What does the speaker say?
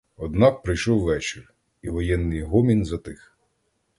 Однак прийшов вечір — і воєнний гомін затих.